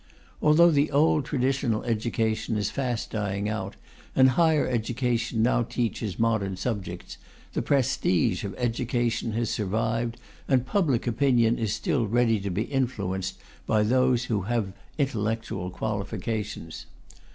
Although the old traditional education is fast dying out, and higher education now teaches modern subjects, the prestige of education has survived, and public opinion is still ready to be influenced by those who have intellectual qualifications.